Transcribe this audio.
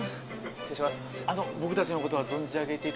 失礼します。